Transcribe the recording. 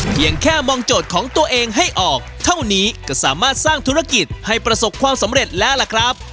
เพียงแค่มองโจทย์ของตัวเองให้ออกเท่านี้ก็สามารถสร้างธุรกิจให้ประสบความสำเร็จแล้วล่ะครับ